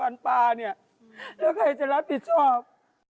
แล้วใครจะรับผิดชอบ